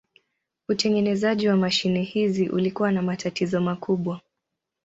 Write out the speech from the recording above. Utengenezaji wa mashine hizi ulikuwa na matatizo makubwa.